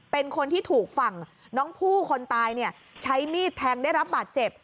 เป็นคนที่ถูกฝั่งน้องผู้คนตายใช้มีดแทงได้รับบาดเจ็บ